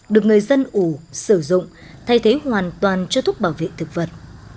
được người dân ủ sử dụng thay thế hoàn toàn cho thuốc bảo vệ thực vật